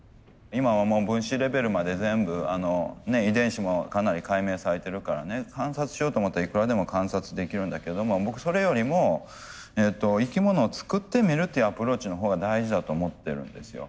今はもう分子レベルまで全部遺伝子もかなり解明されてるからね観察しようと思ったらいくらでも観察できるんだけれども僕それよりも生き物を作ってみるっていうアプローチのほうが大事だと思ってるんですよ。